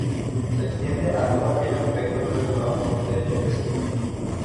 Se extiende a todos aquellos aspectos no regulados por un Derecho específico.